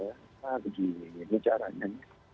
nah begini ini caranya